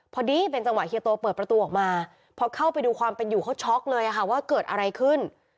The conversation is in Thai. พอดีเป็นจังหวะเฮียโตเปิดประตูออกมาพอเข้าไปดูความเป็นอยู่เขาช็อกเลยค่ะว่าเกิดอะไรขึ้น